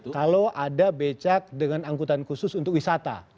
kalau ada becak dengan angkutan khusus untuk wisata